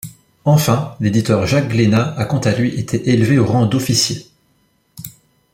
Enfin, l’éditeur Jacques Glénat a quant à lui été élevé au rang d'officier.